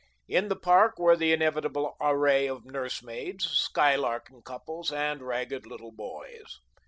In the park were the inevitable array of nursemaids, skylarking couples, and ragged little boys.